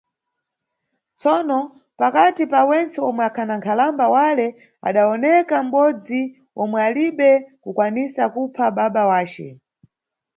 Tsono, pakati pa wentse omwe akhana nkhalamba wale, adawoneka m`bodzi omwe alibe kukwanisa kupha baba wace.